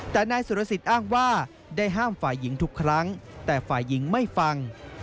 แต่นายสุรสิทธิ์อ้างว่าได้ห้ามฝ่ายหญิงทุกครั้งแต่ฝ่ายหญิงไม่ฟัง